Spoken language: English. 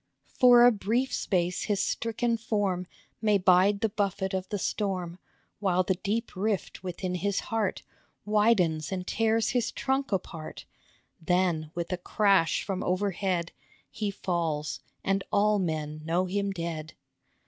For a brief space his stricken form May bide the buffet of the storm, While the deep rift within his heart Widens and tears his trunk apart, THE OLD PINE 9 1 Then, with a crash from overhead, He falls, and all men know him dead.